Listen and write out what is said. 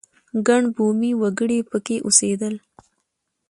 ګڼ بومي وګړي په کې اوسېدل.